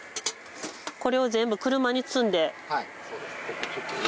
これを全部車に積んで。